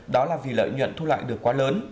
đó là vì lợi nhuận thu lại được quá lớn